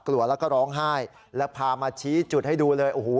กลัวแล้วก็ร้องไห้แล้วพามาชี้จุดให้ดูเลยโอ้โห